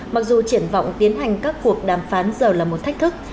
mặc dù triển vọng tiến hành các cuộc đàm phán giờ là một thách thức